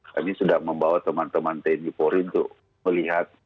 kami sudah membawa teman teman tni polri untuk melihat